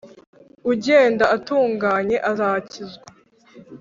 ugenda atunganye azakizwa,